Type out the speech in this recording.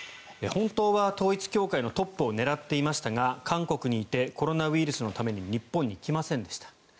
本当は統一教会のトップを狙っていましたが韓国にいてコロナウイルスのために日本に来ませんでした。